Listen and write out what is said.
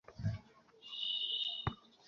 আরে ভাই খিদা লাগে, না সেটাও গেছে?